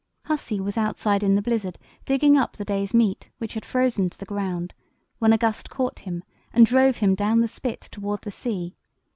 Hussey was outside in the blizzard digging up the day's meat, which had frozen to the ground, when a gust caught him and drove him down the spit towards the sea.